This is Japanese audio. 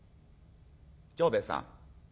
長兵衛さん